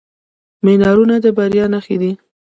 منارونه د بریا نښې دي.